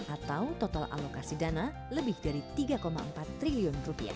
atau total alokasi dana lebih dari rp tiga empat triliun